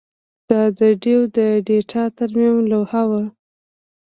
دا د ډیو د ډیټا ترمیم لوحه وه